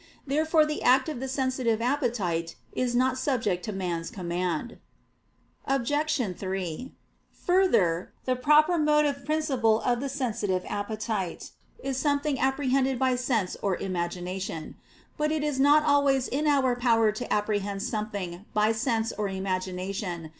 Therefore the act of the sensitive appetite is not subject to man's command. Obj. 3: Further, the proper motive principle of the sensitive appetite is something apprehended by sense or imagination. But it is not always in our power to apprehend something by sense or imagination.